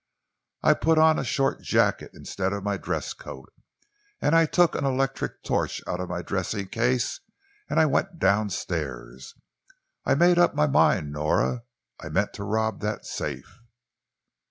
I put on a short jacket instead of my dress coat, and I took an electric torch out of my dressing case and I went down stairs. I'd made up my mind, Nora. I meant to rob that safe."